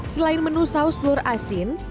selain menu saus telur asin